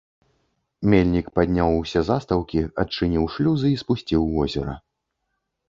Мельнік падняў усе застаўкі, адчыніў шлюзы і спусціў возера.